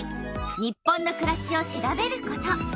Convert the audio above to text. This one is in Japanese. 「日本のくらし」を調べること。